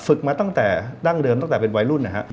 ฝึกมาตั้งแต่ดั้งเดิมตั้งแต่เป็นวัยรุ่น